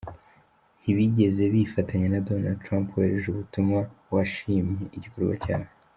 Ntibigeze bifatanya na Donald Trump wohereje ubutumwa, washimye "igikorwa cyabo.